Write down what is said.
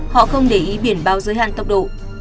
họ không để ý biển báo giới hạn tốc độ